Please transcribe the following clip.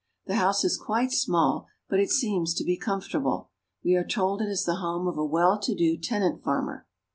The house is quite small, but it seems to be comfortable. We are told it is the home of a well to do tenant farmer.